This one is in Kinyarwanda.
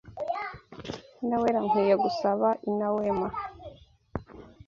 Naweri nkwiye gusaba inawema.